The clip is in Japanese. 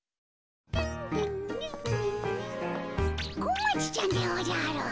小町ちゃんでおじゃる！